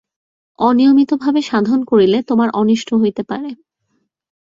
অনিয়মিতভাবে সাধন করিলে তোমার অনিষ্ট হইতে পারে।